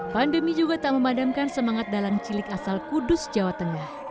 pandemi juga tak memadamkan semangat dalang cilik asal kudus jawa tengah